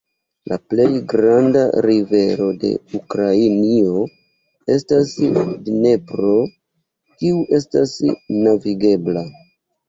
La plej granda rivero de Ukrainio estas Dnepro, kiu estas navigebla.